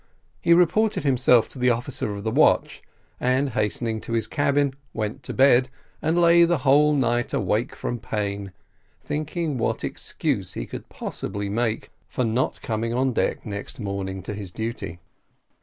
He reported himself to the officer of the watch, and hasting to his cabin, went to bed, and lay the whole night awake from pain, thinking what excuse he could possibly make for not coming on deck next morning to his duty.